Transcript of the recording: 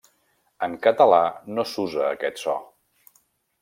En català no s'usa aquest so.